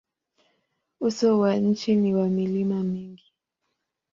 Uso wa nchi ni wa milima mingi.